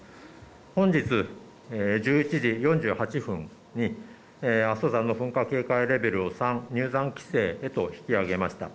本日１１時４８分に阿蘇山の噴火警戒レベルを３、入山規制へと引き上げました。